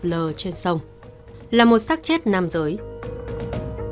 lờ trên sông là một sắc chết nam giới ừ ừ ừ ừ ừ ừ ừ ừ ừ ừ ừ ừ ừ ừ ừ ừ